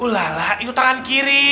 ulala itu tangan kiri